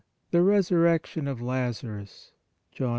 THE RESURRECTION OF LAZARUS John ii.